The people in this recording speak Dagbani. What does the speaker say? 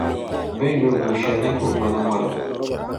Bɛ ni yuri bua shɛli ni ka o ŋmari ŋmana.